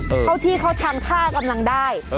เพราะที่เธอทางฆ่ากำลังได้